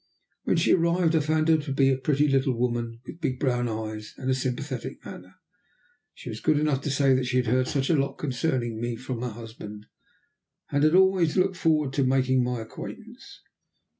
When she arrived, I found her to be a pretty little woman, with big brown eyes, and a sympathetic manner. She was good enough to say that she had heard such a lot concerning me from her husband, and had always looked forward to making my acquaintance.